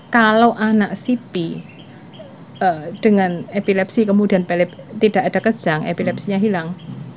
kalau anak sipi dengan epilepsi kemudian pelip tidak ada kejang epilepsinya hilang